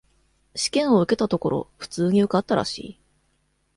試験を受けたところ、普通に受かったらしい。